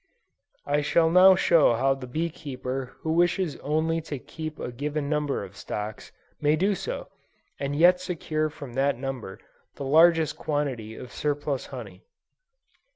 I shall now show how the bee keeper who wishes only to keep a given number of stocks, may do so, and yet secure from that number the largest quantity of surplus honey.